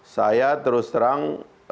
saya terus terang